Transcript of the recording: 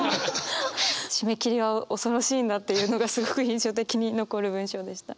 締め切りは恐ろしいんだっていうのがすごく印象的に残る文章でした。